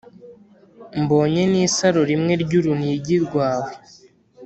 mbonye n’isaro rimwe ry’urunigi rwawe,